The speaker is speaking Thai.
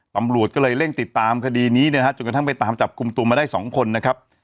ตำรวจก็เลยเร่งติดตามคดีนี้เนี่ยนะฮะจนกระทั่งไปตามจับกลุ่มตัวมาได้๒คนนะครับ